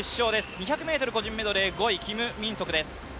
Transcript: ２００ｍ個人メドレー５位、キム・ミンソクです。